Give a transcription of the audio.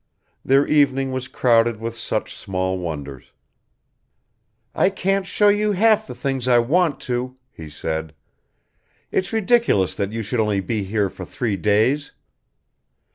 Their evening was crowded with such small wonders. "I can't show you half the things I want to," he said. "It's ridiculous that you should only be here for three days."